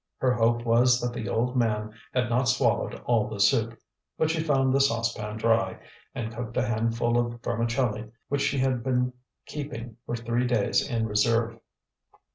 Her hope was that the old man had not swallowed all the soup. But she found the saucepan dry, and cooked a handful of vermicelli which she had been keeping for three days in reserve.